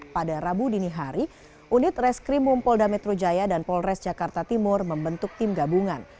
pada rabu dini hari unit reskrim mumpolda metro jaya dan polres jakarta timur membentuk tim gabungan